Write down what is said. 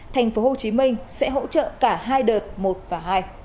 tp hcm sẽ hỗ trợ cả hai đợt một và hai